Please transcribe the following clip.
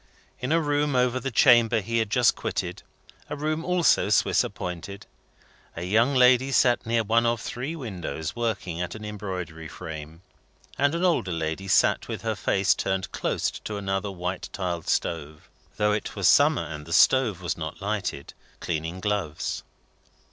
In a room over the chamber he had just quitted a room also Swiss appointed a young lady sat near one of three windows, working at an embroidery frame; and an older lady sat with her face turned close to another white tiled stove (though it was summer, and the stove was not lighted), cleaning gloves.